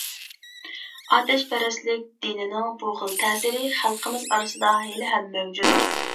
ئاتەشپەرەسلىك دىنىنىڭ بۇ خىل تەسىرى خەلقىمىز ئارىسىدا ھېلىھەم مەۋجۇت.